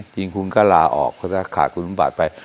จริงคุณก็ลาออกก็ฆ่าคุณประบาษไป